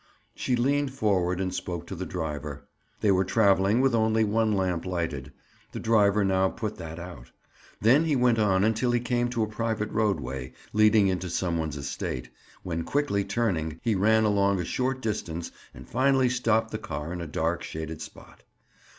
She leaned forward and spoke to the driver. They were traveling with only one lamp lighted; the driver now put that out. Then he went on until he came to a private roadway, leading into some one's estate, when quickly turning, he ran along a short distance and finally stopped the car in a dark shaded spot.